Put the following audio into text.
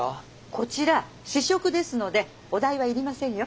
こちら試食ですのでお代は要りませんよ。